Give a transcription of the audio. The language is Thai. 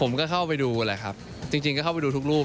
ผมก็เข้าไปดูแหละครับจริงก็เข้าไปดูทุกรูป